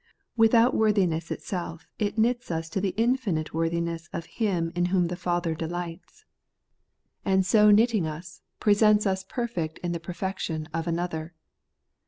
WiUiout worthiness in itself, it knits us to the infinite worthiness of Him in whom the Father de Not Faith, hit Christ. 113 lights ; and so knitting us, presents us perfect in the perfection of another.